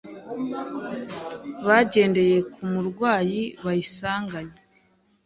bagendeye ku murwayi bayisanganye